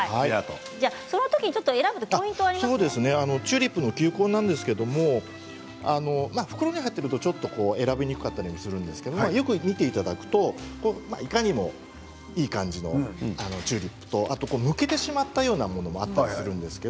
選ぶポイントはチューリップの球根ですが袋に入っていると選びにくかったりするんですけれどよく見ていただくと、いかにもいい感じのチューリップとむけてしまったようなものもあったりするんですね。